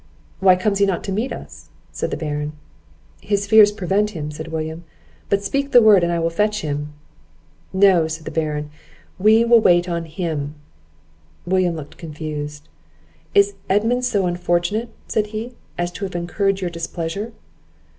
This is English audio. "Why comes he not to meet us?" said the Baron. "His fears prevent him," said William; "but speak the word, and I will fetch him." "No," said the Baron, "we will wait on him." William looked confused. "Is Edmund so unfortunate," said he, "as to have incurred your displeasure?"